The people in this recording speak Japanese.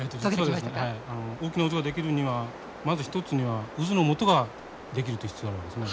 大きな渦が出来るにはまず一つには渦のもとが出来る必要があるんですね。